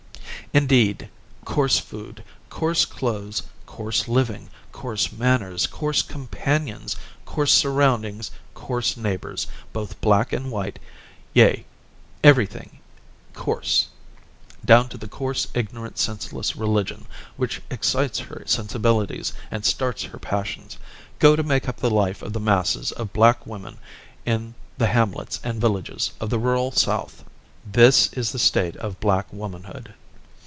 Indeed, coarse food, coarse clothes, coarse living, coarse manners, coarse companions, coarse surroundings, coarse neighbors, both black and white, yea, every thing coarse, down to the coarse, ignorant, senseless religion, which excites her sensibilities and starts her passions, go to make up the life of the masses of black women in the hamlets and villages of the rural South. This is the state of black womanhood.